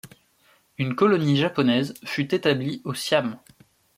Une colonie japonaise fut établie au Siam.